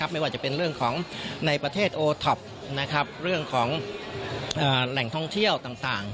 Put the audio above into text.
ไม่ว่าจะเป็นเรื่องของในประเทศโอท็อปเรื่องของแหล่งท่องเที่ยวต่าง